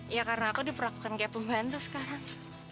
ya karena aku diperlakukan kayak pembantu sekarang